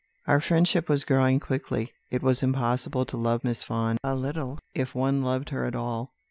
"Our friendship was growing quickly; it was impossible to love Miss Vaughan a little, if one loved her at all.